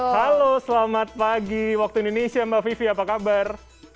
halo selamat pagi waktu indonesia mbak vivi apa kabar